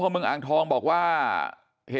สุดท้ายเนี่ยขี่รถหน้าที่ก็ไม่ยอมหยุดนะฮะ